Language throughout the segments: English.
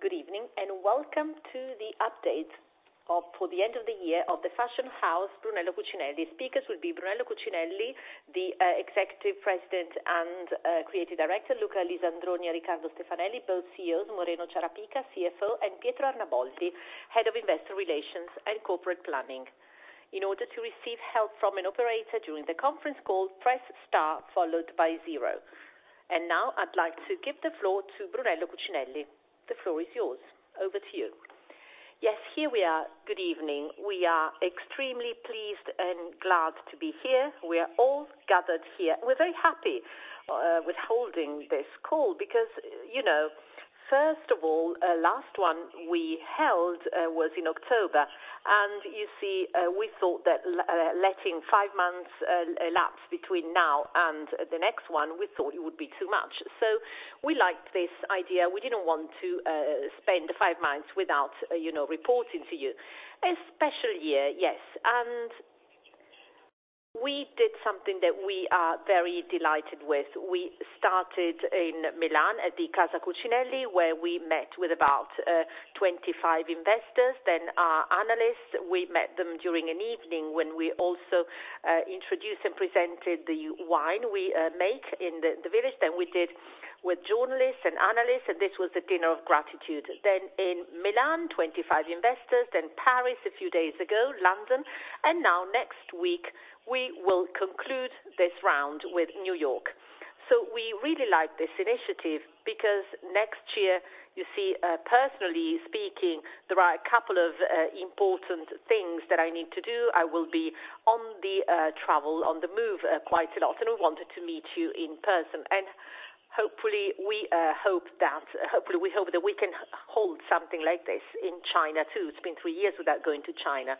Good evening, welcome to the update for the end of the year of the fashion house, Brunello Cucinelli. Speakers will be Brunello Cucinelli, the Executive President and Creative Director, Luca Lisandroni and Riccardo Stefanelli, both CEOs, Moreno Ciarapica, CFO, and Pietro Arnaboldi, Head of Investor Relations and Corporate Planning. In order to receive help from an operator during the conference call, press star followed by zero. Now I'd like to give the floor to Brunello Cucinelli. The floor is yours. Over to you. Yes, here we are. Good evening. We are extremely pleased and glad to be here. We are all gathered here. We're very happy with holding this call because, you know, first of all, last one we held was in October. You see, we thought that letting five months elapse between now and the next one, we thought it would be too much. We liked this idea. We didn't want to spend five months without, you know, reporting to you. A special year, yes. We did something that we are very delighted with. We started in Milan at the Casa Cucinelli, where we met with about 25 investors, then our analysts, we met them during an evening when we also introduced and presented the wine we make in the village than we did with journalists and analysts, and this was a dinner of gratitude. In Milan, 25 investors, then Paris a few days ago, London, and now next week, we will conclude this round with New York. We really like this initiative because next year, you see, personally speaking, there are a couple of important things that I need to do. I will be on the travel, on the move, quite a lot, and I wanted to meet you in person. Hopefully, we hope that we can hold something like this in China, too. It's been three years without going to China.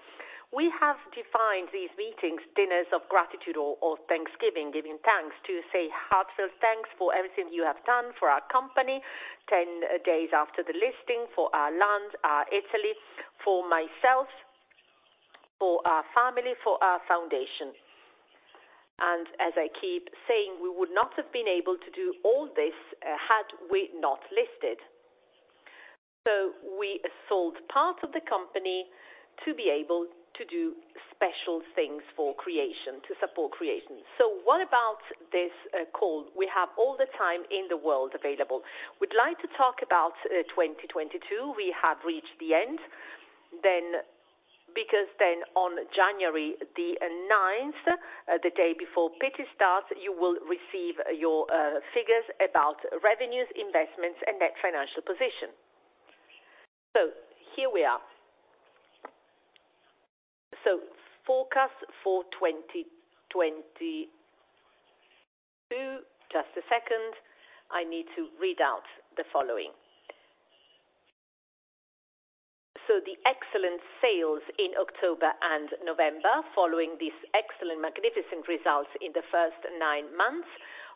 We have defined these meetings, dinners of gratitude or thanksgiving, giving thanks to say heartfelt thanks for everything you have done for our company 10 days after the listing for our land, our Italy, for myself, for our family, for our foundation. As I keep saying, we would not have been able to do all this, had we not listed. We sold part of the company to be able to do special things for creation, to support creation. What about this call? We have all the time in the world available. We'd like to talk about 2022. We have reached the end. Because then on January the 9th, the day before Pitti starts, you will receive your figures about revenues, investments, and net financial position. Here we are. Forecast for 2022. Just a second. I need to read out the following. The excellent sales in October and November, following these excellent, magnificent results in the first nine months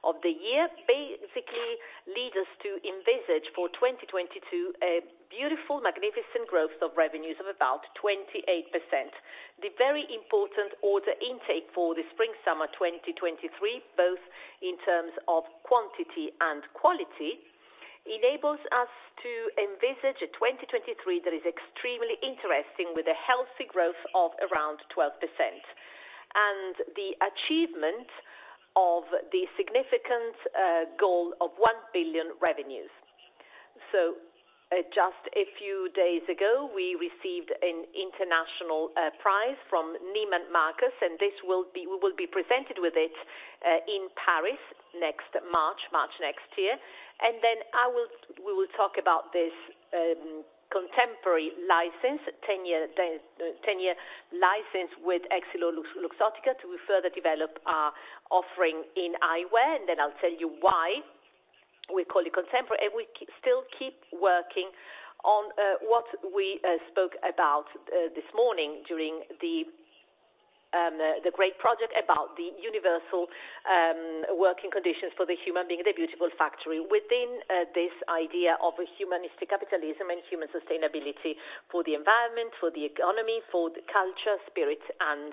of the year, basically lead us to envisage for 2022 a beautiful, magnificent growth of revenues of about 28%. The very important order intake for the Spring/Summer 2023, both in terms of quantity and quality, enables us to envisage a 2023 that is extremely interesting with a healthy growth of around 12%, and the achievement of the significant goal of 1 billion revenues. Just a few days ago, we received an international prize from Neiman Marcus, and this will be. We will be presented with it in Paris next March next year. Then we will talk about this Contemporary license, 10-year license with EssilorLuxottica to further develop our offering in eyewear. Then I'll tell you why we call it contemporary. We still keep working on what we spoke about this morning during the great project about the universal working conditions for the human being at the beautiful factory within this idea of Humanistic Capitalism and Human Sustainability for the environment, for the economy, for the culture, spirit, and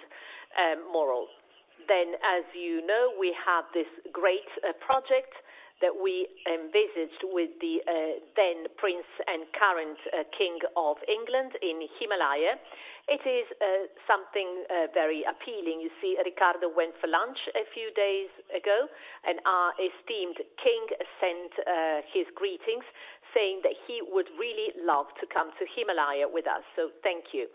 moral. As you know, we have this great project that we envisaged with the then prince and current King of England in Himalaya. It is something very appealing. You see, Riccardo went for lunch a few days ago, and our esteemed king sent his greetings, saying that he would really love to come to Himalaya with us. Thank you.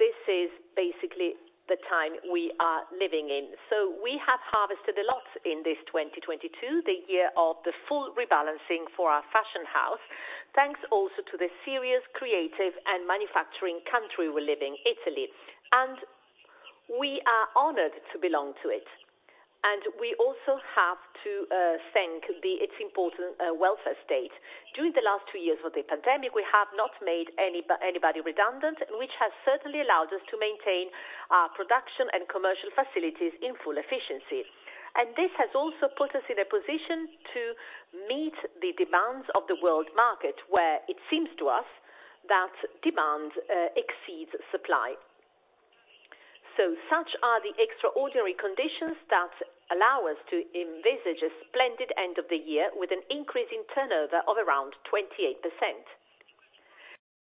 This is basically the time we are living in. We have harvested a lot in this 2022, the year of the full rebalancing for our fashion house. Thanks also to the serious creative and manufacturing country we live in, Italy. We are honored to belong to it. We also have to thank its important welfare state. During the last two years of the pandemic, we have not made anybody redundant, which has certainly allowed us to maintain our production and commercial facilities in full efficiency. This has also put us in a position to meet the demands of the world market, where it seems to us that demand exceeds supply. Such are the extraordinary conditions that allow us to envisage a splendid end of the year with an increase in turnover of around 28%.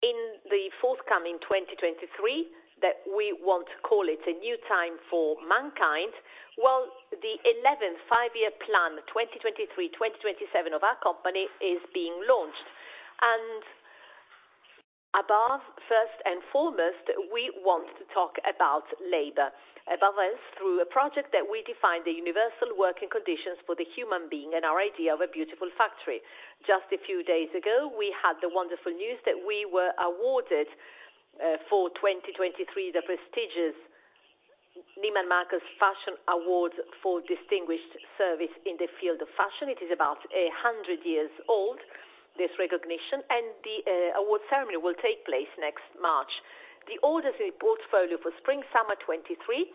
In the forthcoming 2023 that we want to call it a new time for mankind, while the 11th five-year plan, 2023-2027 of our company is being launched. Above, first and foremost, we want to talk about labor. Above else, through a project that we define the universal working conditions for the human being and our idea of a beautiful factory. Just a few days ago, we had the wonderful news that we were awarded for 2023, the prestigious Neiman Marcus Fashion Awards for Distinguished Service in the Field of Fashion. It is about 100 years old, this recognition, and the, award ceremony will take place next March. The orders portfolio for spring, summer 2023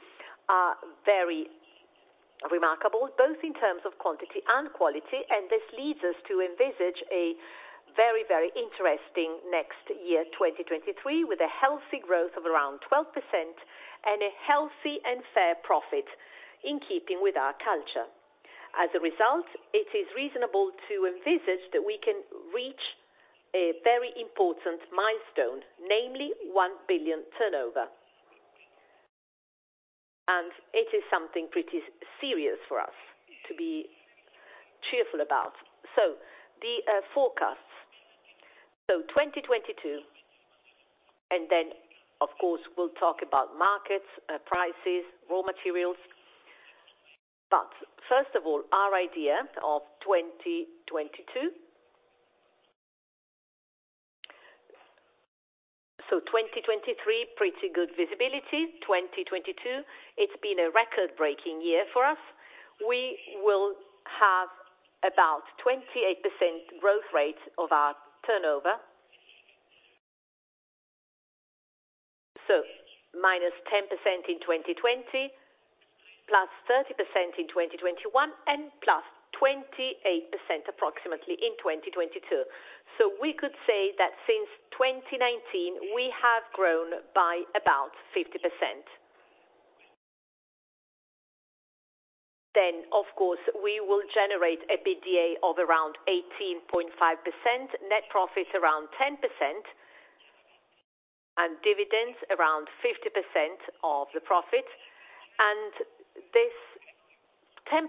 are very remarkable, both in terms of quantity and quality. This leads us to envisage a very, very interesting next year, 2023, with a healthy growth of around 12% and a healthy and fair profit in keeping with our culture. As a result, it is reasonable to envisage that we can reach a very important milestone, namely 1 billion turnover. It is something pretty serious for us to be cheerful about. The forecasts. 2022, and then of course, we'll talk about markets, prices, raw materials. First of all, our idea of 2022. 2023, pretty good visibility. 2022, it's been a record-breaking year for us. We will have about 28% growth rate of our turnover. So -10% in 2020, +30% in 2021, and +28% approximately in 2022. We could say that since 2019, we have grown by about 50%. Of course, we will generate a EBITDA of around 18.5%, net profit around 10%, and dividends around 50% of the profit. This 10%,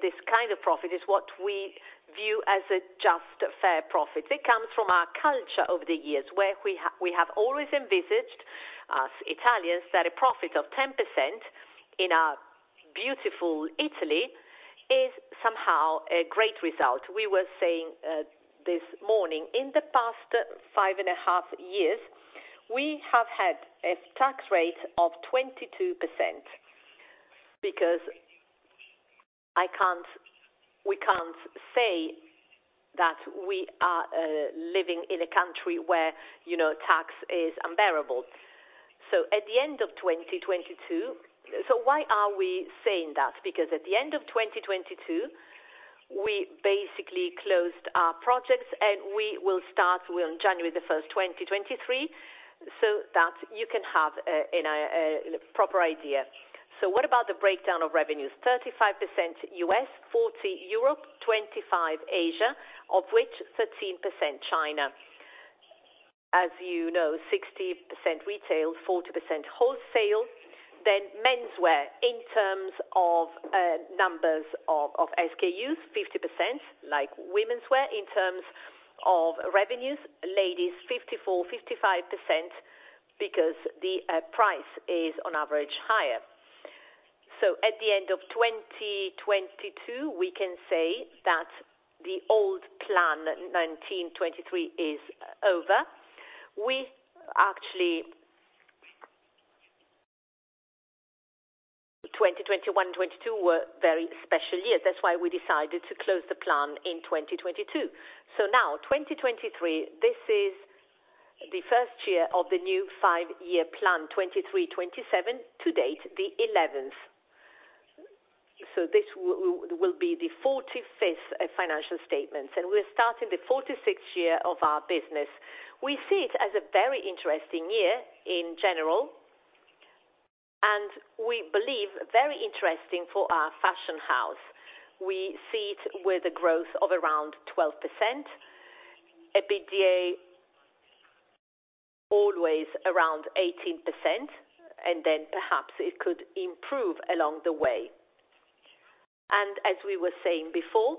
this kind of profit is what we view as a just fair profit. It comes from our culture over the years, where we have always envisaged, us Italians, that a profit of 10% in our beautiful Italy is somehow a great result. We were saying this morning, in the past five and a half years, we have had a tax rate of 22% because we can't say that we are living in a country where, you know, tax is unbearable. At the end of 2022. Why are we saying that? At the end of 2022, we basically closed our projects, and we will start on January the 1st, 2023, so that you can have, you know, a proper idea. What about the breakdown of revenues? 35% US, 40 Europe, 25 Asia, of which 13% China. As you know, 60% retail, 40% wholesale. Menswear, in terms of numbers of SKUs, 50%, like womenswear. In terms of revenues, ladies, 54%-55% because the price is on average higher. At the end of 2022, we can say that the old plan, 2019-2023, is over. We actually, 2021, 2022 were very special years. That's why we decided to close the plan in 2022. Now, 2023, this is the first year of the new five-year plan, 2023-2027, to date, the 11th. This will be the 45th financial statements, and we're starting the 46th year of our business. We see it as a very interesting year in general, and we believe very interesting for our fashion house. We see it with a growth of around 12%, EBITDA always around 18%, then perhaps it could improve along the way. As we were saying before,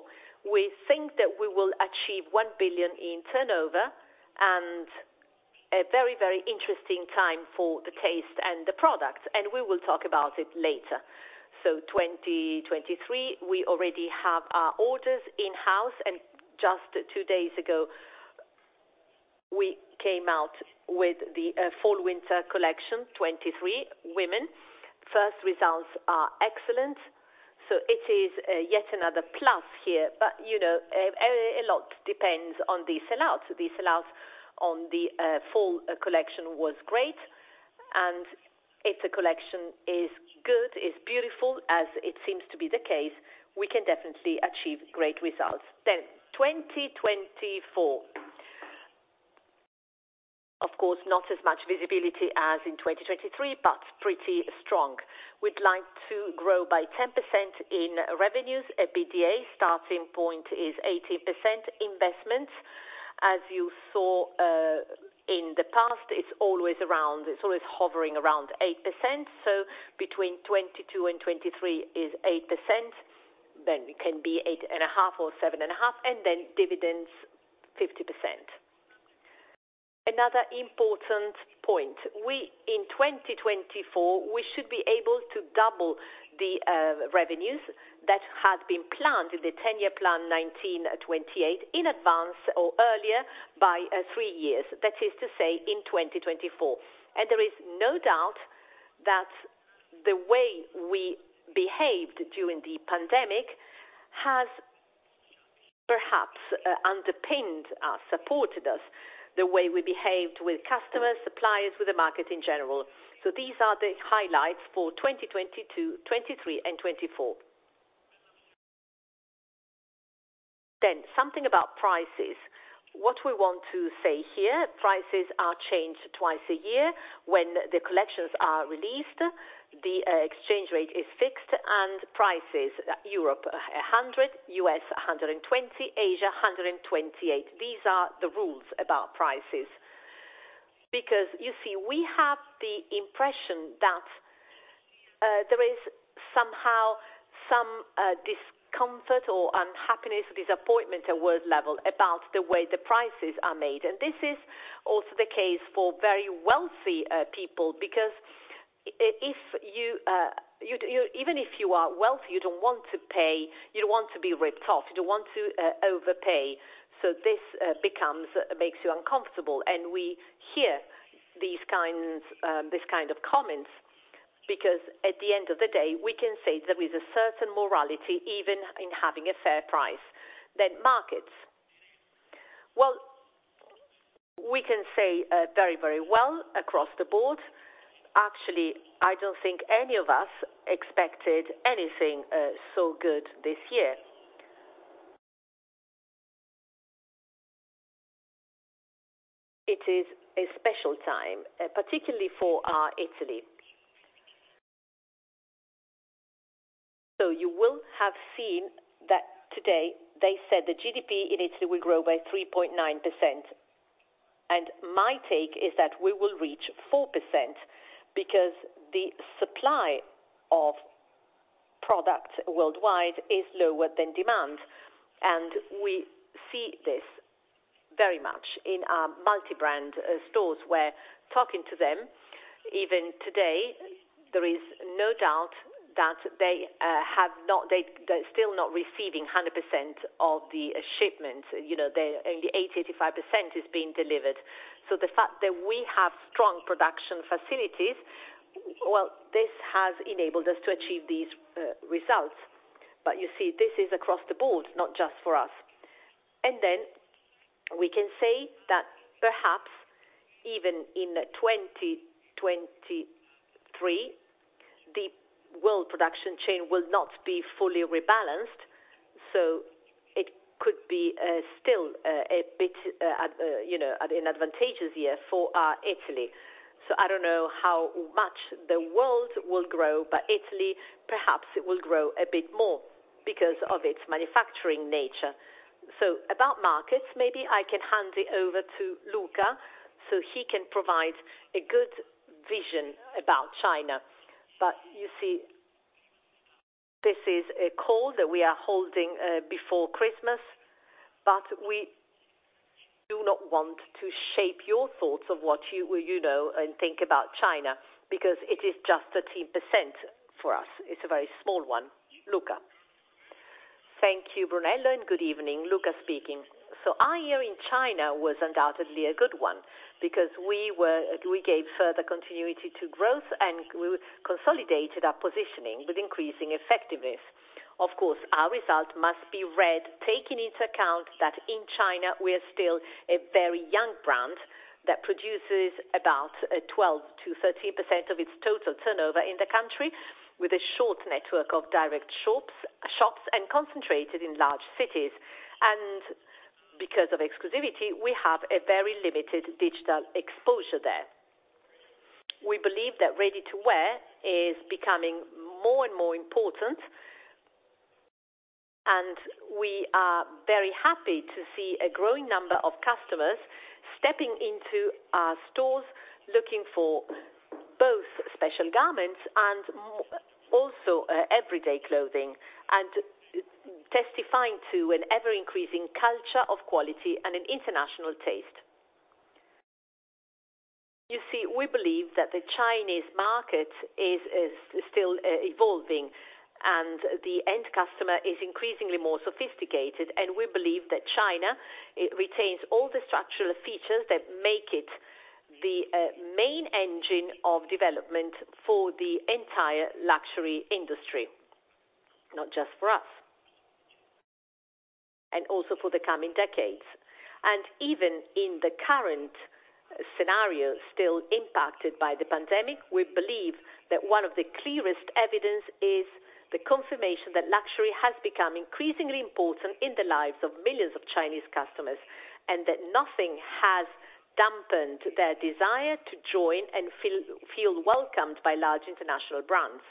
we think that we will achieve 1 billion in turnover and a very, very interesting time for the taste and the products, and we will talk about it later. 2023, we already have our orders in-house, and just two days ago, we came out with the Fall/Winter collection, 2023 women. First results are excellent, so it is yet another plus here. You know, a lot depends on the sell-out. The sell-out on the fall collection was great. If the collection is good, is beautiful as it seems to be the case, we can definitely achieve great results. 2024. Of course, not as much visibility as in 2023, but pretty strong. We'd like to grow by 10% in revenues. EBITDA starting point is 80% investments. As you saw, in the past, it's always hovering around 8%. Between 2022 and 2023 is 8%. It can be 8.5 or 7.5, and then dividends 50%. Another important point. In 2024, we should be able to double the revenues that had been planned in the 10-year plan 2019, 2028 in advance or earlier by three years. That is to say, in 2024. There is no doubt that the way we behaved during the pandemic has perhaps underpinned us, supported us, the way we behaved with customers, suppliers, with the market in general. These are the highlights for 2022, 2023 and 2024. Something about prices. What we want to say here. Prices are changed twice a year when the collections are released, the exchange rate is fixed and prices Europe 100, US 120, Asia 128. These are the rules about prices. You see, we have the impression that there is somehow some discomfort or unhappiness, disappointment at world level about the way the prices are made. This is also the case for very wealthy people, because if you even if you are wealthy, you don't want to pay, you don't want to be ripped off, you don't want to overpay. This becomes, makes you uncomfortable. We hear these kinds, these kind of comments, because at the end of the day, we can say there is a certain morality even in having a fair price than markets. We can say very, very well across the board. I don't think any of us expected anything so good this year. It is a special time, particularly for Italy. You will have seen that today they said the GDP in Italy will grow by 3.9%. My take is that we will reach 4% because the supply of product worldwide is lower than demand. We see this very much in our multi-brand stores, where talking to them, even today, there is no doubt that they're still not receiving 100% of the shipment. You know, only 80, 85% is being delivered. The fact that we have strong production facilities, well, this has enabled us to achieve these results. You see, this is across the board, not just for us. Then we can say that perhaps even in 2023, the world production chain will not be fully rebalanced. It could be still a bit, you know, an advantageous year for Italy. I don't know how much the world will grow, but Italy, perhaps it will grow a bit more because of its manufacturing nature. About markets, maybe I can hand it over to Luca so he can provide a good vision about China. You see, this is a call that we are holding before Christmas, but we do not want to shape your thoughts of what you know and think about China because it is just 13% for us. It's a very small one. Luca. Thank you, Brunello, and good evening. Luca speaking. Our year in China was undoubtedly a good one because we gave further continuity to growth and we consolidated our positioning with increasing effectiveness. Of course, our result must be read taking into account that in China we are still a very young brand that produces about 12%-13% of its total turnover in the country with a short network of direct shops and concentrated in large cities. Because of exclusivity, we have a very limited digital exposure there. We believe that ready-to-wear is becoming more and more important, and we are very happy to see a growing number of customers stepping into our stores looking for both special garments and also everyday clothing, and testifying to an ever-increasing culture of quality and an international taste. You see, we believe that the Chinese market is still evolving and the end customer is increasingly more sophisticated. We believe that China, it retains all the structural features that make it the main engine of development for the entire luxury industry, not just for us. Also for the coming decades. Even in the current scenario still impacted by the pandemic, we believe that one of the clearest evidence is the confirmation that luxury has become increasingly important in the lives of millions of Chinese customers, and that nothing has dampened their desire to join and feel welcomed by large international brands.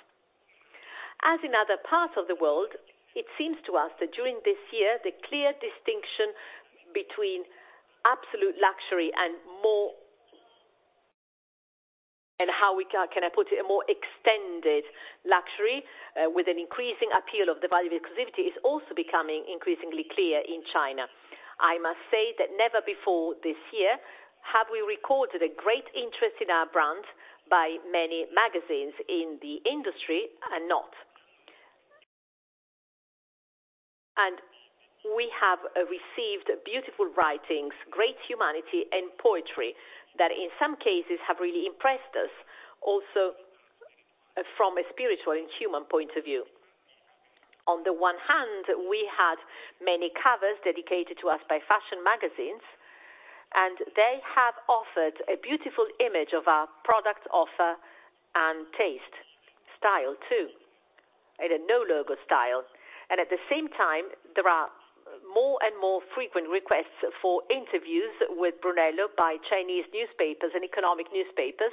As in other parts of the world, it seems to us that during this year, the clear distinction between absolute luxury and more, how we can I put a more extended luxury with an increasing appeal of the value of exclusivity is also becoming increasingly clear in China. I must say that never before this year have we recorded a great interest in our brand by many magazines in the industry and not. We have received beautiful writings, great humanity and poetry that in some cases have really impressed us, also from a spiritual and human point of view. On the one hand, we had many covers dedicated to us by fashion magazines, and they have offered a beautiful image of our product offer and taste, style too, in a no logo style. At the same time, there are more and more frequent requests for interviews with Brunello by Chinese newspapers and economic newspapers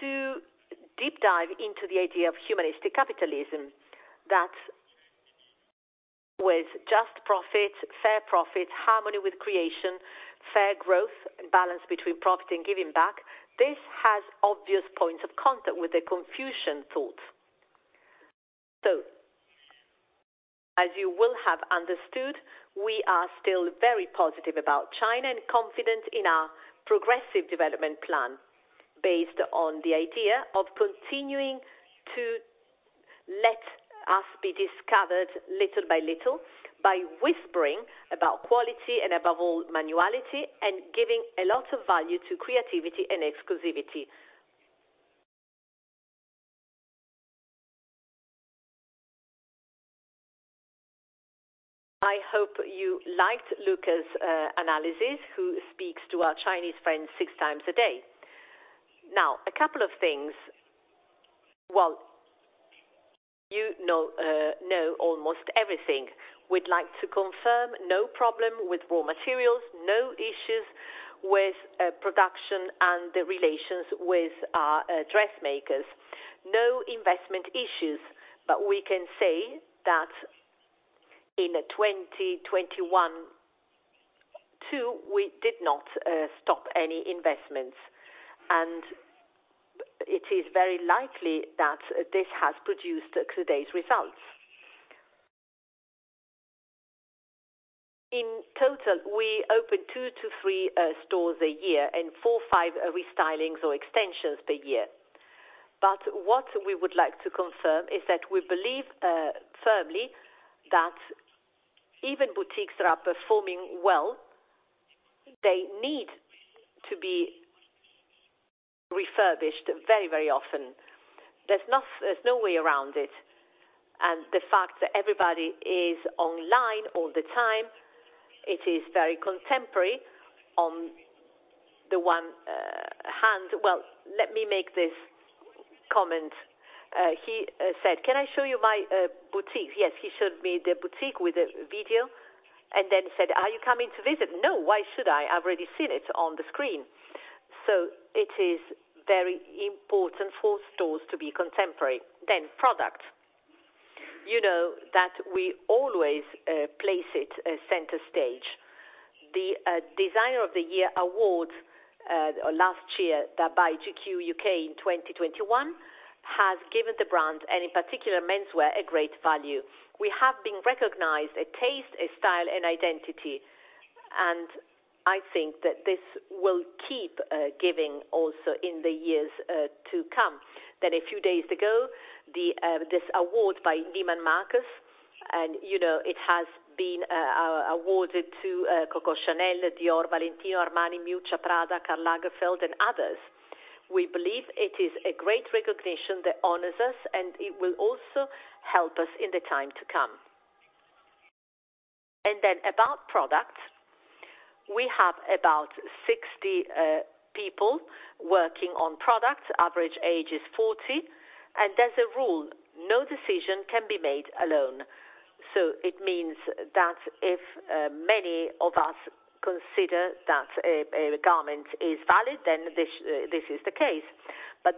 to deep dive into the idea of Humanistic Capitalism that with just profit, fair profit, harmony with creation, fair growth, balance between profit and giving back. This has obvious points of contact with the Confucian thought. As you will have understood, we are still very positive about China and confident in our progressive development plan based on the idea of continuing to let us be discovered little by little by whispering about quality and above all, manuality and giving a lot of value to creativity and exclusivity. I hope you liked Luca's analysis, who speaks to our Chinese friends six times a day. A couple of things. Well, you know almost everything. We'd like to confirm no problem with raw materials, no issues with production and the relations with our dressmakers. No investment issues, but we can say that in 2021 too, we did not stop any investments. It is very likely that this has produced today's results. In total, we open two to three stores a year and four, five restylings or extensions per year. What we would like to confirm is that we believe firmly that even boutiques that are performing well, they need to be refurbished very, very often. There's no way around it. The fact that everybody is online all the time, it is very contemporary. On the one hand... Let me make this comment. He said, "Can I show you my boutique?" Yes, he showed me the boutique with a video and then said, "Are you coming to visit?" No. Why should I? I've already seen it on the screen. It is very important for stores to be contemporary. Product. You know that we always place it center stage. The Designer of the Year award last year by GQ UK in 2021 has given the brand, and in particular menswear, a great value. We have been recognized a taste, a style, and identity, and I think that this will keep giving also in the years to come. A few days ago, this award by Neiman Marcus, and you know, it has been awarded to Coco Chanel, Dior, Valentino, Armani, Miuccia Prada, Karl Lagerfeld, and others. We believe it is a great recognition that honors us, and it will also help us in the time to come. About product, we have about 60 people working on product. Average age is 40, and as a rule, no decision can be made alone. It means that if many of us consider that a garment is valid, then this is the case.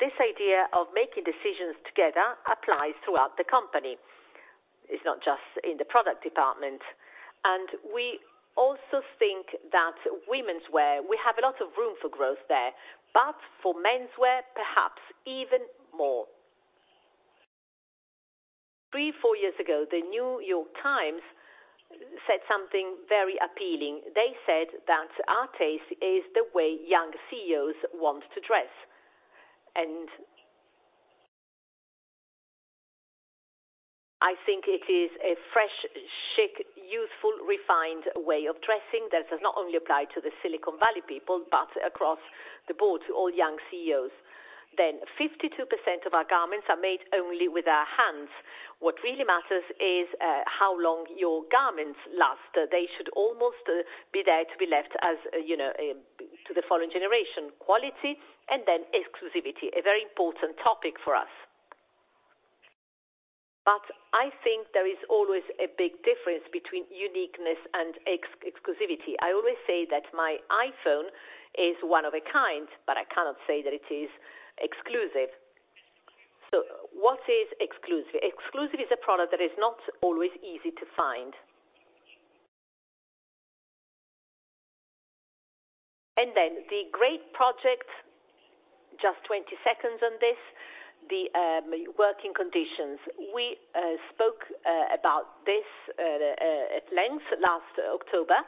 This idea of making decisions together applies throughout the company. It's not just in the product department. We also think that womenswear, we have a lot of room for growth there, but for menswear, perhaps even more. Three, four years ago, The New York Times said something very appealing. They said that our taste is the way young CEOs want to dress. I think it is a fresh, chic, youthful, refined way of dressing that does not only apply to the Silicon Valley people, but across the board to all young CEOs. 52% of our garments are made only with our hands. What really matters is how long your garments last. They should almost be there to be left as, you know, to the following generation, quality and then exclusivity. A very important topic for us. I think there is always a big difference between uniqueness and exclusivity. I always say that my iPhone is one of a kind, but I cannot say that it is exclusive. What is exclusive? Exclusive is a product that is not always easy to find. The great project, just 20 seconds on this, the working conditions. We spoke about this at length last October.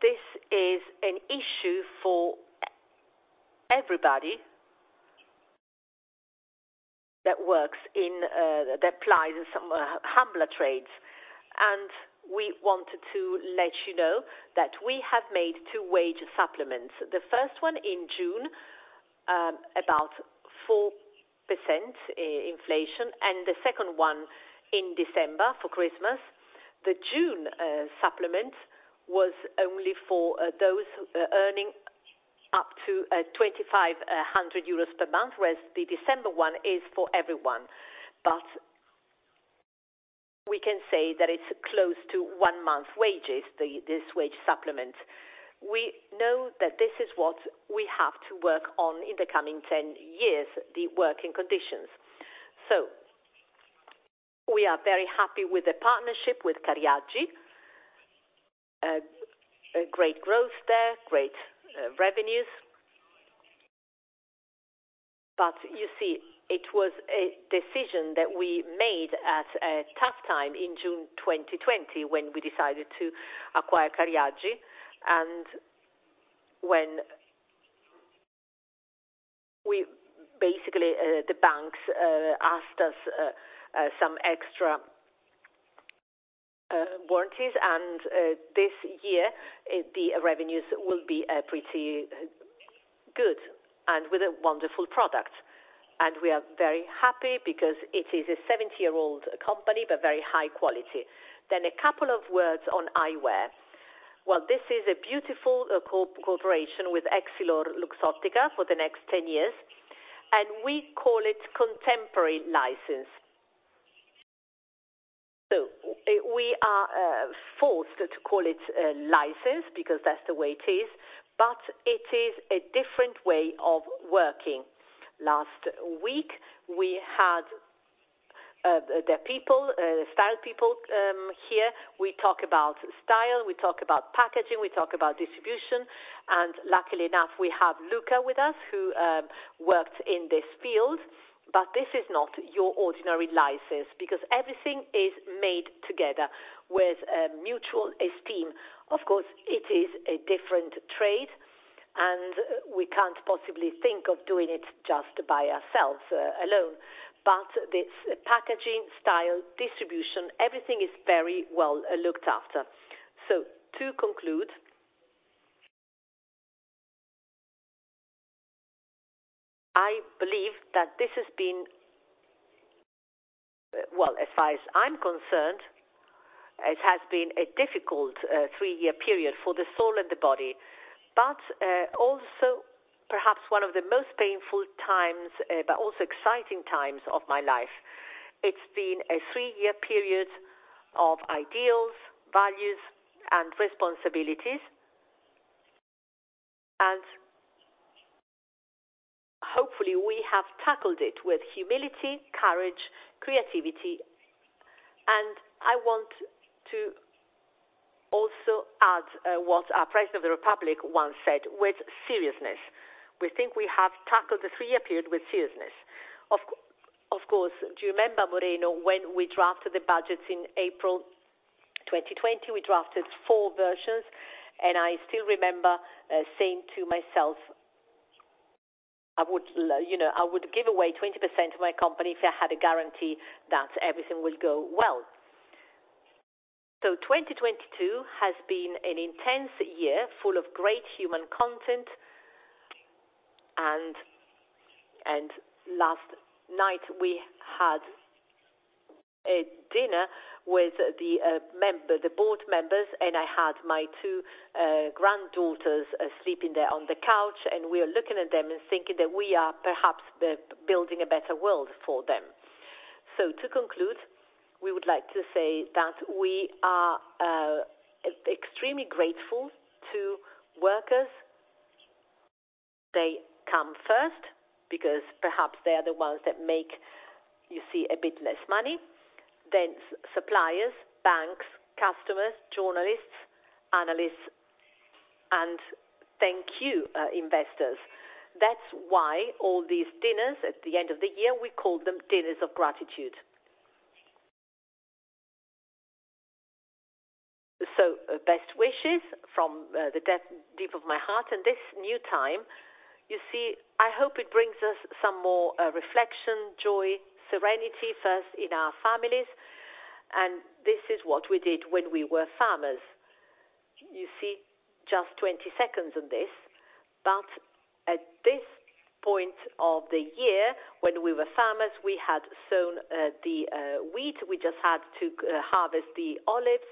This is an issue for everybody that works in that applies in some humbler trades. We wanted to let you know that we have made two wage supplements. The first one in June, about 4% inflation, and the second one in December for Christmas. The June supplement was only for those earning up to 2,500 euros per month, whereas the December one is for everyone. We can say that it's close to 1 month wages, the, this wage supplement. We know that this is what we have to work on in the coming 10 years, the working conditions. We are very happy with the partnership with Cariaggi. Great growth there, great revenues. You see, it was a decision that we made at a tough time in June 2020 when we decided to acquire Cariaggi. Basically, the banks asked us some extra warranties, and this year, the revenues will be pretty good and with a wonderful product. We are very happy because it is a 70-year-old company, but very high quality. A couple of words on eyewear. This is a beautiful corporation with EssilorLuxottica for the next 10 years, we call it contemporary license. We are forced to call it a license because that's the way it is, it is a different way of working. Last week, we had their people, style people, here. We talk about style, we talk about packaging, we talk about distribution. Luckily enough, we have Luca with us who worked in this field. This is not your ordinary license because everything is made together with mutual esteem. Of course, it is a different trade, we can't possibly think of doing it just by ourselves alone. This packaging, style, distribution, everything is very well looked after. To conclude, I believe that this has been, well, as far as I'm concerned, it has been a difficult, three-year period for the soul and the body, but also perhaps one of the most painful times, but also exciting times of my life. It's been a three-year period of ideals, values, and responsibilities. Hopefully, we have tackled it with humility, courage, creativity. I want to also add, what our President of the Republic once said, with seriousness. We think we have tackled the three-year period with seriousness. Of course, do you remember, Moreno, when we drafted the budgets in April 2020? We drafted four versions, and I still remember, saying to myself, I would, you know, I would give away 20% of my company if I had a guarantee that everything will go well. 2022 has been an intense year full of great human content. Last night we had a dinner with the board members, and I had my two granddaughters sleeping there on the couch, and we are looking at them and thinking that we are perhaps building a better world for them. To conclude, we would like to say that we are extremely grateful to workers. They come first because perhaps they are the ones that make you see a bit less money than suppliers, banks, customers, journalists, analysts. Thank you, investors. That's why all these dinners at the end of the year, we call them dinners of gratitude. Best wishes from the deep of my heart. This new time, you see, I hope it brings us some more reflection, joy, serenity, first in our families. This is what we did when we were farmers. You see just 20 seconds on this. At this point of the year, when we were farmers, we had sown the wheat. We just had to harvest the olives.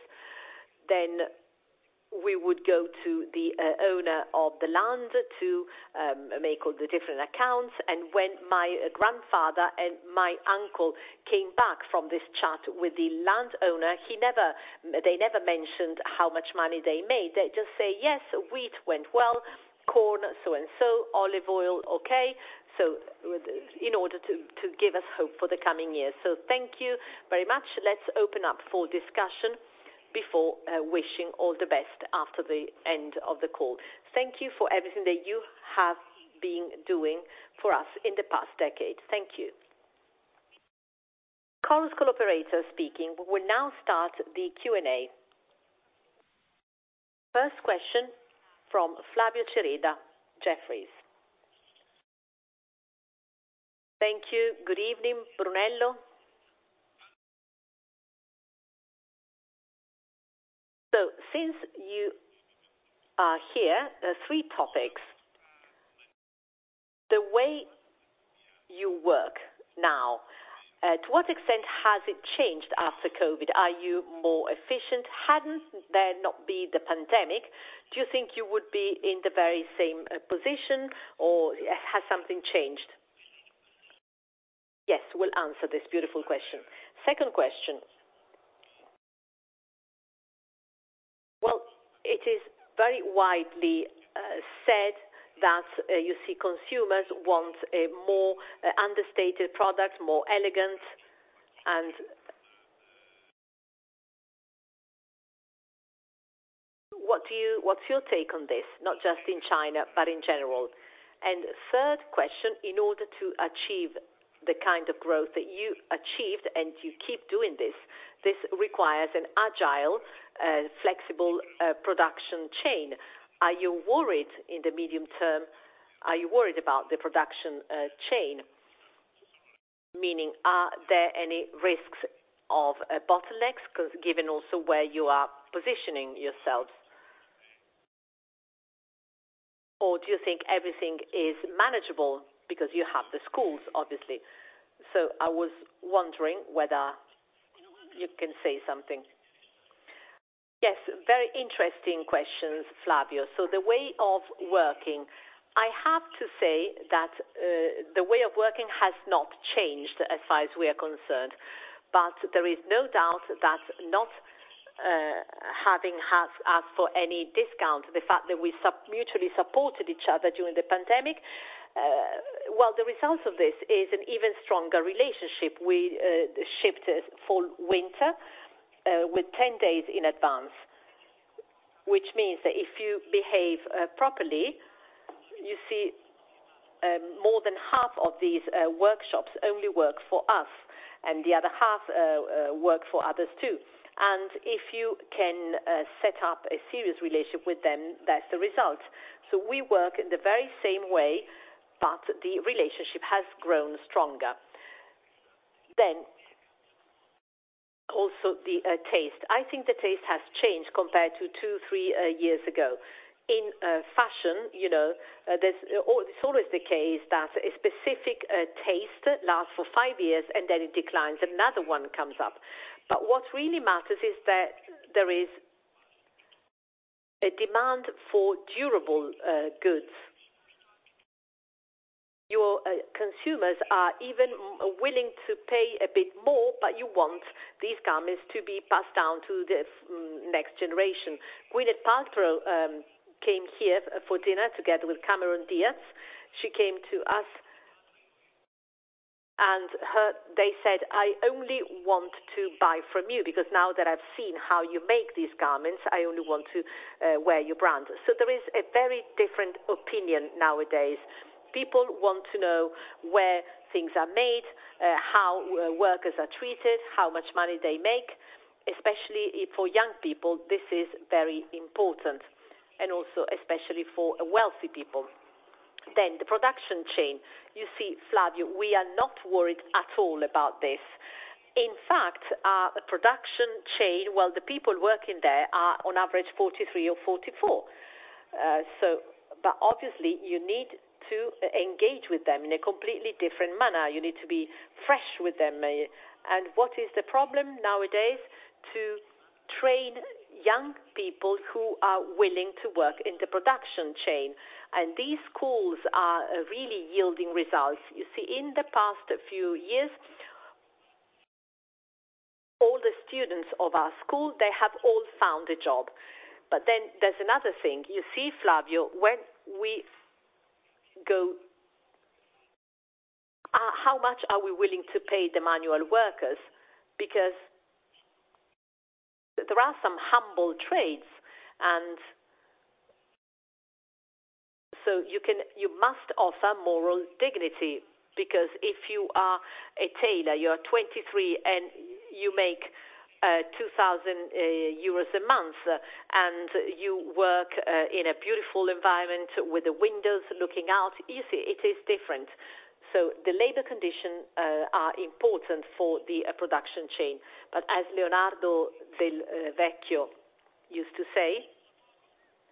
We would go to the owner of the land to make all the different accounts. When my grandfather and my uncle came back from this chat with the land owner, they never mentioned how much money they made. They just say, "Yes, wheat went well, corn, so and so, olive oil, okay." In order to give us hope for the coming years. Thank you very much. Let's open up for discussion before wishing all the best after the end of the call. Thank you for everything that you have been doing for us in the past decade. Thank you. Conference call operator speaking. We will now start the Q&A. First question from Flavio Cereda, Jefferies. Thank you. Good evening, Brunello. Since you are here, there are three topics. The way you work now, to what extent has it changed after COVID? Are you more efficient? Hadn't there not been the pandemic, do you think you would be in the very same position or has something changed? Yes, we'll answer this beautiful question. Second question. Well, it is very widely said that you see consumers want a more understated product, more elegant. What's your take on this? Not just in China, but in general. Third question, in order to achieve the kind of growth that you achieved, and you keep doing this requires an agile, flexible production chain. Are you worried in the medium term? Are you worried about the production chain? Meaning, are there any risks of bottlenecks? Given also where you are positioning yourselves. Do you think everything is manageable because you have the schools, obviously. I was wondering whether you can say something. Yes, very interesting questions, Flavio. The way of working, I have to say that the way of working has not changed as far as we are concerned. There is no doubt that not having asked for any discount, the fact that we mutually supported each other during the pandemic, well, the result of this is an even stronger relationship. We shifted fall, winter, with 10 days in advance, which means that if you behave properly, you see, more than half of these workshops only work for us, and the other half work for others too. If you can set up a serious relationship with them, that's the result. We work in the very same way, but the relationship has grown stronger. Also the taste. I think the taste has changed compared to two, three years ago. In fashion, you know, it's always the case that a specific taste lasts for five years, and then it declines, another one comes up. What really matters is that there is a demand for durable goods. Your consumers are even willing to pay a bit more. You want these garments to be passed down to the next generation. Gwyneth Paltrow came here for dinner together with Cameron Diaz. She came to us, and they said, "I only want to buy from you because now that I've seen how you make these garments, I only want to wear your brand." There is a very different opinion nowadays. People want to know where things are made, how workers are treated, how much money they make. Especially for young people, this is very important, and also especially for wealthy people. The production chain. You see, Flavio, we are not worried at all about this. In fact, our production chain, well, the people working there are on average 43 or 44. Obviously, you need to engage with them in a completely different manner. You need to be fresh with them. What is the problem nowadays? To train young people who are willing to work in the production chain. These schools are really yielding results. In the past few years, all the students of our school, they have all found a job. There's another thing. Flavio, how much are we willing to pay the manual workers? You must offer moral dignity, because if you are a tailor, you are 23, and you make 2,000 euros a month, and you work in a beautiful environment with the windows looking out, it is different. The labor condition are important for the production chain. As Leonardo Del Vecchio used to say,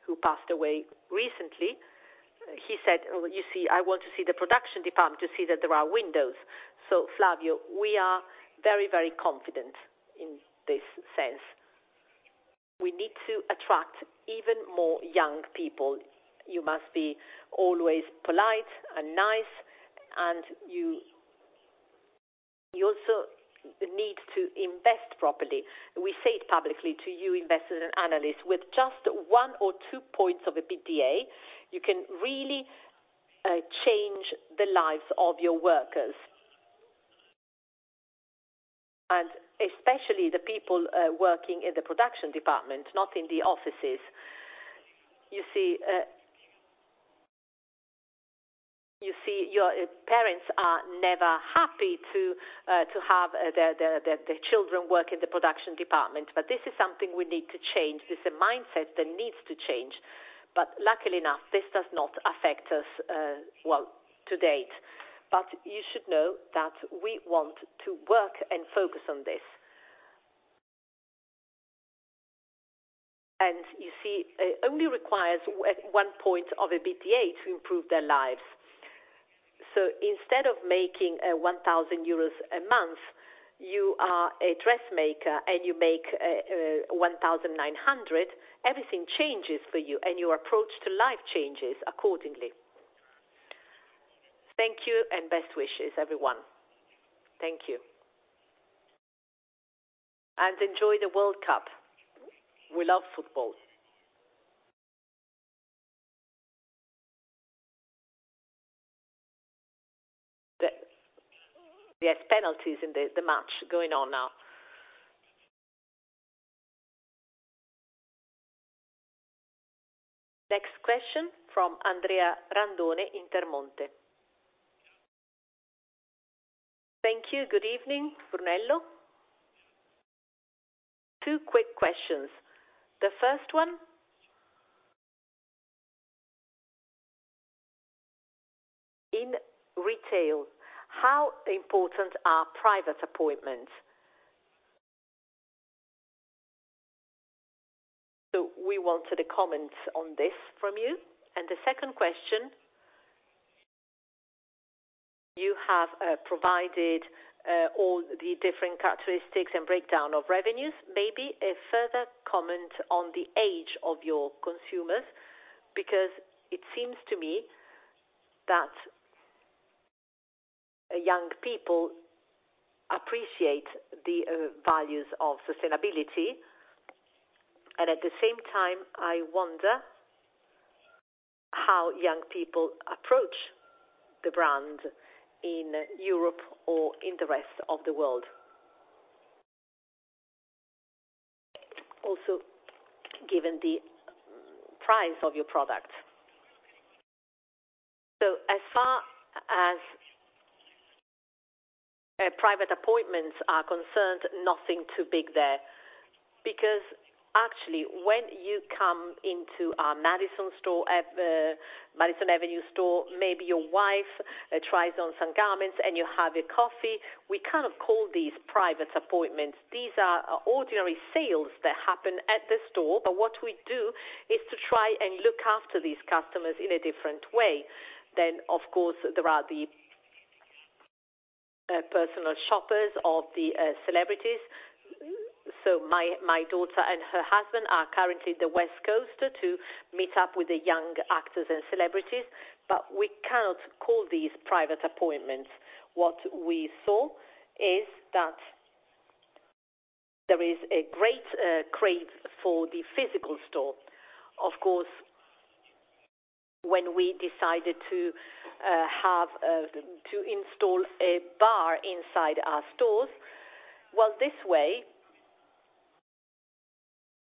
who passed away recently. He said, "You see, I want to see the production department to see that there are windows." Flavio, we are very, very confident in this sense. We need to attract even more young people. You must be always polite and nice, and you also need to invest properly. We say it publicly to you, investors and analysts. With just one or two points of EBITDA, you can really change the lives of your workers. Especially the people working in the production department, not in the offices. You see, your parents are never happy to have their children work in the production department, this is something we need to change. This is a mindset that needs to change. Luckily enough, this does not affect us, well, to date. You should know that we want to work and focus on this. You see, it only requires one point of EBITDA to improve their lives. Instead of making, 1,000 euros a month, you are a dress maker and you make, 1,900, everything changes for you and your approach to life changes accordingly. Thank you and best wishes, everyone. Thank you. Enjoy the World Cup. We love football. There's penalties in the match going on now. Next question from Andrea Randone, Intermonte. Thank you. Good evening, Brunello. Two quick questions. The first one. In retail, how important are private appointments? We wanted a comment on this from you. The second question. You have provided all the different characteristics and breakdown of revenues, maybe a further comment on the age of your consumers, because it seems to me that young people appreciate the values of sustainability. At the same time, I wonder how young people approach the brand in Europe or in the rest of the world. Also, given the price of your product. As far as private appointments are concerned, nothing too big there. Because actually, when you come into our Madison Avenue store, maybe your wife tries on some garments and you have a coffee. We can't call these private appointments. These are ordinary sales that happen at the store. What we do is to try and look after these customers in a different way. Of course, there are the personal shoppers of the celebrities. My daughter and her husband are currently in the West Coast to meet up with the young actors and celebrities, but we cannot call these private appointments. What we saw is that there is a great crave for the physical store. Of course, when we decided to have to install a bar inside our stores, well, this way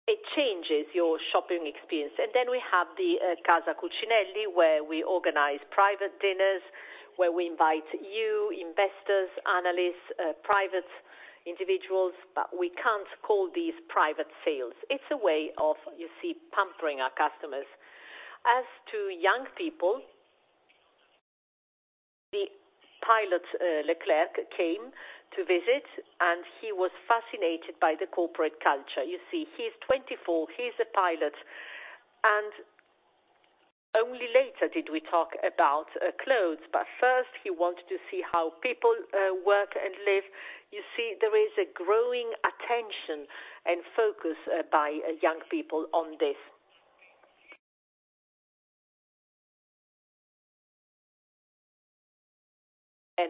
it changes your shopping experience. We have the Casa Cucinelli, where we organize private dinners, where we invite you, investors, analysts, private individuals, but we can't call these private sales. It's a way of, you see, pampering our customers. As to young people, the pilot, Leclerc came to visit, and he was fascinated by the corporate culture. You see, he's 24, he's a pilot, and only later did we talk about clothes. First, he wanted to see how people work and live. You see, there is a growing attention and focus by young people on this.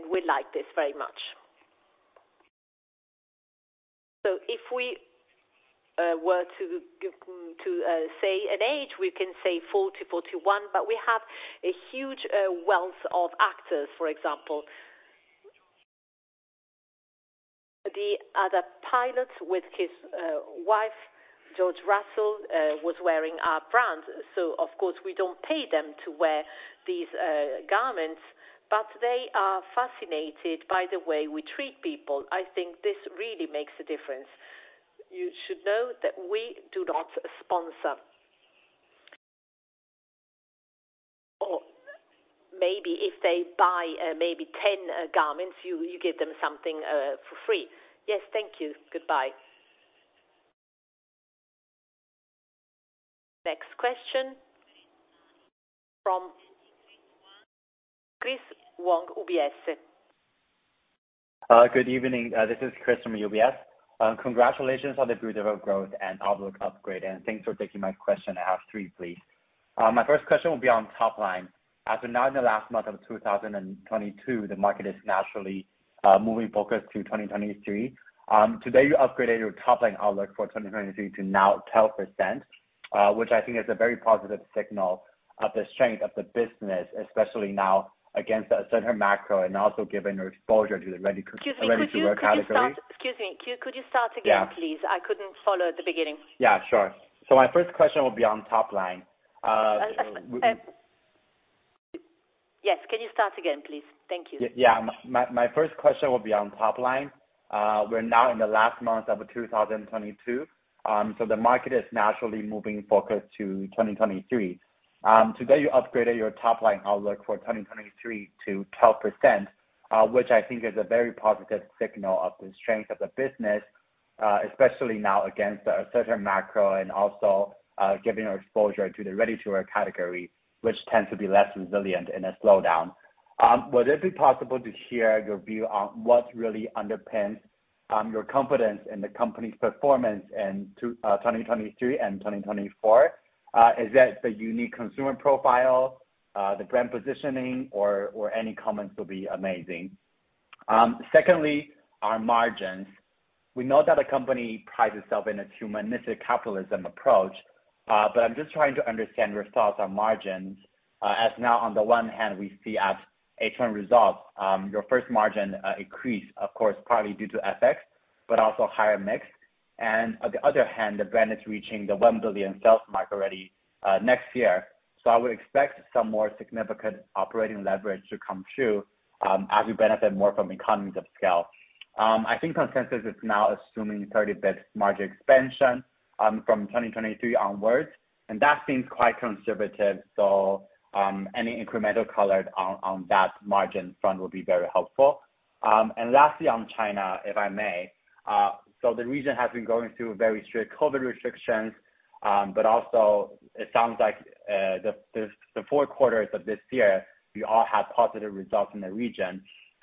We like this very much. If we were to say an age, we can say 40 to 41, but we have a huge wealth of actors, for example. The other pilot with his wife, George Russell, was wearing our brand. Of course, we don't pay them to wear these garments, but they are fascinated by the way we treat people. I think this really makes a difference. You should know that we do not sponsor. Or maybe if they buy maybe 10 garments, you give them something for free. Yes, thank you. Goodbye. Next question from Chris Wong, UBS. Good evening. This is Chris from UBS. Congratulations on the beautiful growth and outlook upgrade, and thanks for taking my question. I have three, please. My first question will be on top-line. As we're now in the last month of 2022, the market is naturally moving focus to 2023. Today, you upgraded your top-line outlook for 2023 to now 12%, which I think is a very positive signal of the strength of the business, especially now against a certain macro and also given your exposure to the ready-to-wear category. Excuse me. Could you start again, please? Yeah. I couldn't follow at the beginning. Yeah, sure. My first question will be on top-line. Yes. Can you start again, please? Thank you. Yeah. My first question will be on top-line. We're now in the last month of 2022, the market is naturally moving focus to 2023. Today, you upgraded your top-line outlook for 2023 to 12%, which I think is a very positive signal of the strength of the business, especially now against a certain macro and also, given your exposure to the ready-to-wear category, which tends to be less resilient in a slowdown. Would it be possible to share your view on what really underpins your confidence in the company's performance in 2023 and 2024? Is that the unique consumer profile, the brand positioning, or any comments will be amazing. Secondly, on margins. We know that the company prides itself in its Humanistic Capitalism approach, I'm just trying to understand your thoughts on margins, as now on the one hand, we see as H1 results, your first margin increase, of course, partly due to FX, but also higher mix. On the other hand, the brand is reaching the 1 billion sales mark already next year. I would expect some more significant operating leverage to come through as we benefit more from economies of scale. I think consensus is now assuming 30% margin expansion from 2023 onwards, that seems quite conservative. Any incremental color on that margin front will be very helpful. Lastly, on China, if I may. The region has been going through very strict COVID restrictions, but also it sounds like the four quarters of this year will all have positive results in the region.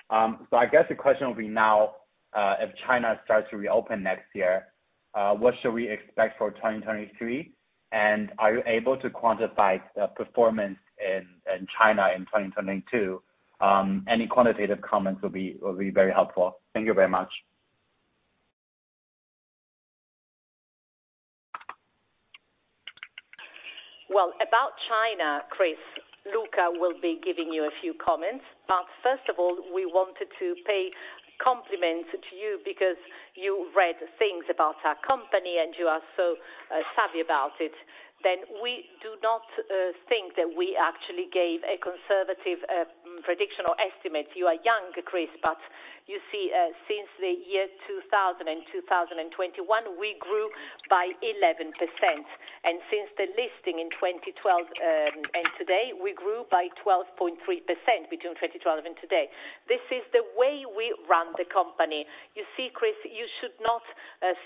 I guess the question will be now, if China starts to reopen next year, what should we expect for 2023? Are you able to quantify the performance in China in 2022? Any quantitative comments will be very helpful. Thank you very much. About China, Chris, Luca will be giving you a few comments, but first of all, we wanted to pay compliments to you because you read things about our company, and you are so savvy about it. We do not think that we actually gave a conservative prediction or estimate. You are young, Chris, but you see, since the year 2000 and 2021, we grew by 11%. Since the listing in 2012 and today, we grew by 12.3% between 2012 and today. This is the way we run the company. You see, Chris, you should not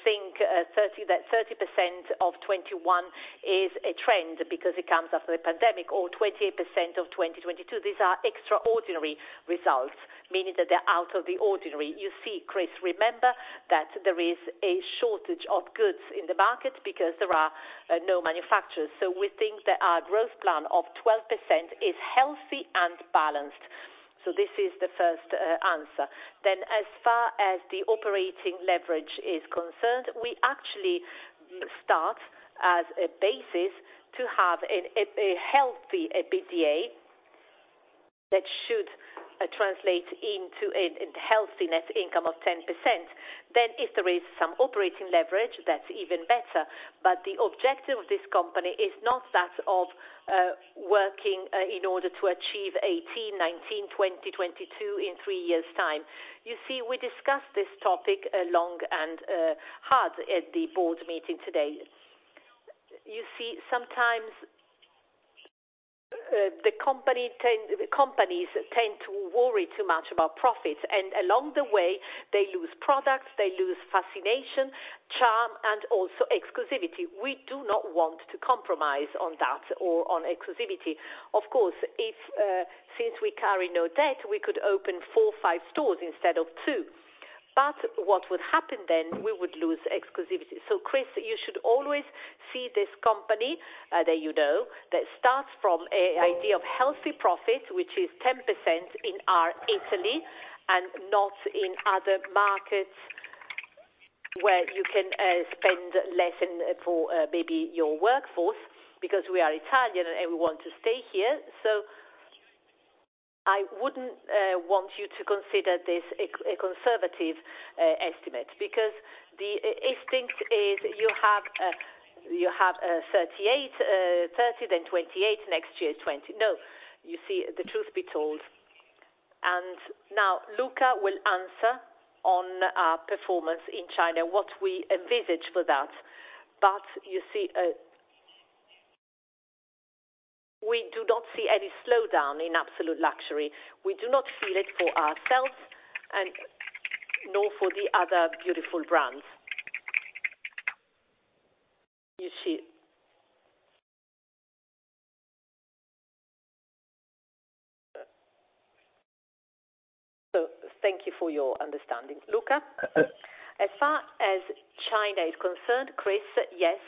think that 30% of 2021 is a trend because it comes after the pandemic or 20% of 2022. These are extraordinary results, meaning that they're out of the ordinary. You see, Chris, remember that there is a shortage of goods in the market because there are no manufacturers. We think that our growth plan of 12% is healthy and balanced. This is the first answer. As far as the operating leverage is concerned, we actually start as a basis to have a healthy EBITDA that should translate into a healthy net income of 10%. If there is some operating leverage, that's even better. The objective of this company is not that of working in order to achieve 18%, 19%, 20%, 22% in three years' time. You see, we discussed this topic long and hard at the board meeting today. You see, sometimes, companies tend to worry too much about profits, and along the way, they lose products, they lose fascination, charm, and also exclusivity. We do not want to compromise on that or on exclusivity. Of course, if, since we carry no debt, we could open four, five stores instead of two. What would happen then, we would lose exclusivity. Chris, you should always see this company, that you know, that starts from a idea of healthy profits, which is 10% in our Italy and not in other markets where you can spend less than for maybe your workforce, because we are Italian, and we want to stay here. I wouldn't want you to consider this a conservative estimate because the instinct is you have 30, then 28, next year 20. No. Now Luca will answer on our performance in China, what we envisage for that. You see, we do not see any slowdown in absolute luxury. We do not feel it for ourselves and nor for the other beautiful brands. You see. Thank you for your understanding. Luca, as far as China is concerned, Chris, yes,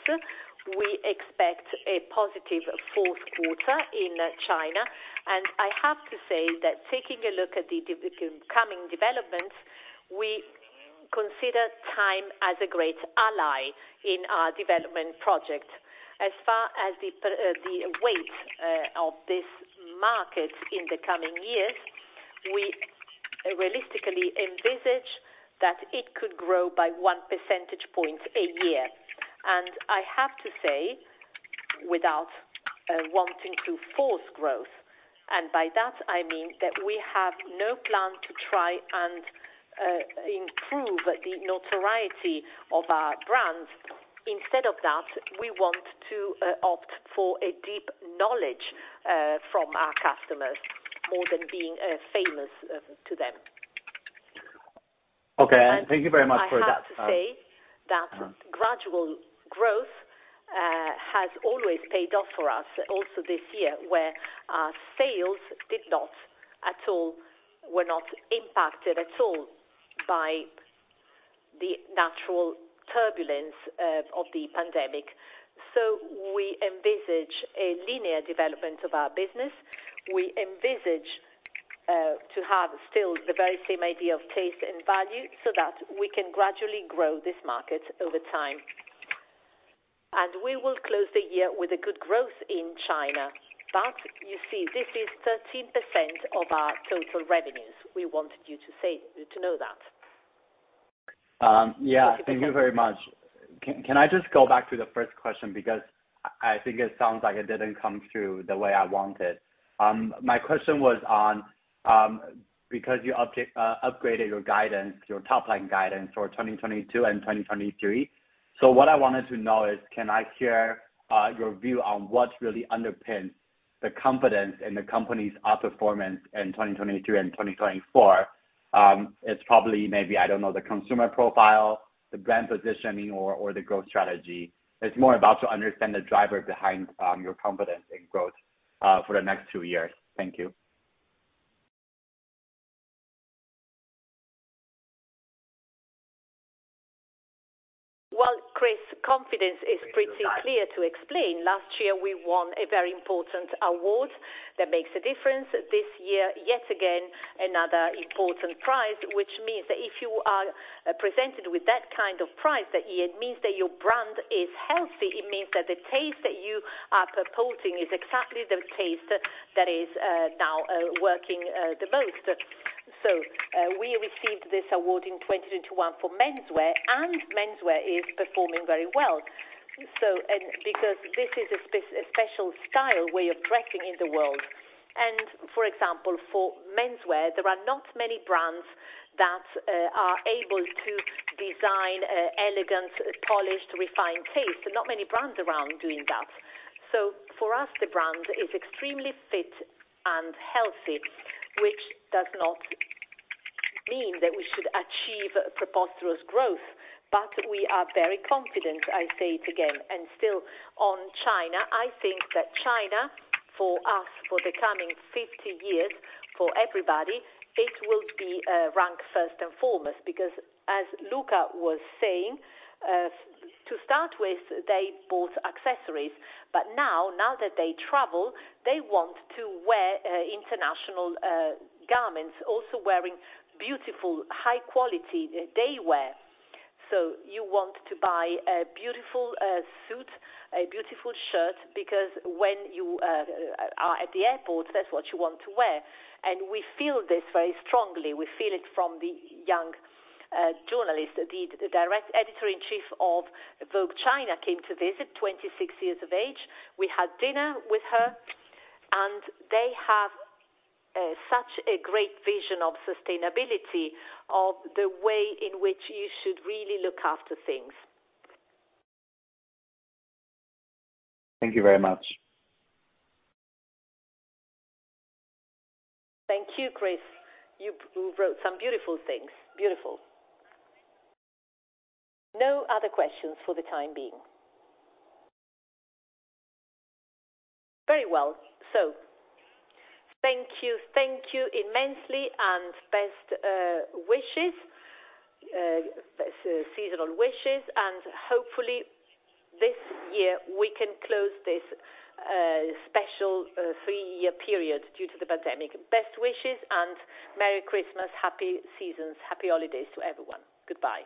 we expect a positive fourth quarter in China, and I have to say that taking a look at the coming developments, we consider time as a great ally in our development project. As far as the weight of this market in the coming years, we realistically envisage that it could grow by 1 percentage point a year. I have to say, without wanting to force growth, and by that, I mean that we have no plan to try and improve the notoriety of our brand. Instead of that, we want to opt for a deep knowledge from our customers more than being famous to them. Okay. Thank you very much for that. I have to say that gradual growth has always paid off for us, also this year, where our sales were not impacted at all by the natural turbulence of the pandemic. We envisage a linear development of our business. We envisage to have still the very same idea of taste and value so that we can gradually grow this market over time. We will close the year with a good growth in China. You see, this is 13% of our total revenues. We wanted you to know that. Yeah. Thank you very much. Can I just go back to the first question because I think it sounds like it didn't come through the way I wanted. My question was on because you upgraded your guidance, your top-line guidance for 2022 and 2023. What I wanted to know is, can I hear your view on what really underpins the confidence in the company's outperformance in 2022 and 2024? It's probably maybe, I don't know, the consumer profile, the brand positioning or the growth strategy. It's more about to understand the driver behind your confidence in growth for the next two years. Thank you. Chris, confidence is pretty clear to explain. Last year, we won a very important award that makes a difference. This year, yet again, another important prize, which means that if you are presented with that kind of prize, that it means that your brand is healthy. It means that the taste that you are proposing is exactly the taste that is now working the most. We received this award in 2021 for menswear, and menswear is performing very well. Because this is a special style way of dressing in the world. For example, for menswear, there are not many brands that are able to design elegant, polished, refined taste. Not many brands around doing that. For us, the brand is extremely fit and healthy, which does not mean that we should achieve preposterous growth, but we are very confident, I say it again. Still, on China, I think that China, for us, for the coming 50 years, for everybody, it will be ranked first and foremost, because as Luca was saying, to start with, they bought accessories. Now, now that they travel, they want to wear international garments, also wearing beautiful high quality day wear. You want to buy a beautiful suit, a beautiful shirt because when you are at the airport, that's what you want to wear. We feel this very strongly. We feel it from the young journalist, the direct editor-in-chief of Vogue China came to visit, 26 years of age. We had dinner with her. They have such a great vision of sustainability, of the way in which you should really look after things. Thank you very much. Thank you, Chris. You wrote some beautiful things. Beautiful. No other questions for the time being. Very well. Thank you. Thank you immensely, and best wishes, best seasonal wishes. Hopefully, this year we can close this special three-year period due to the pandemic. Best wishes and merry Christmas, happy seasons, happy holidays to everyone. Goodbye.